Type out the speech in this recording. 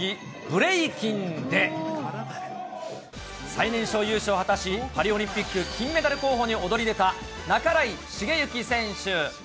ブレイキンで、最年少優勝を果たし、パリオリンピック金メダル候補に躍り出た、半井重幸選手。